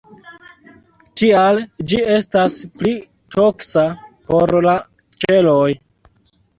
Tial ĝi estas pli toksa por la ĉeloj.